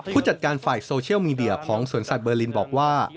ผู้จัดการฝ่ายโซเชียลมีเดียของสวนสัตว์เบอร์ลินบอกว่า